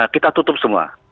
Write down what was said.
kita tutup semua